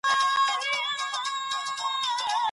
استاد محمد صدیق پسرلی د پښتو ادب د معاصر مکتب یو لوی استازی دی.